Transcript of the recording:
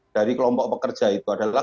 dari kelompok pekerja itu adalah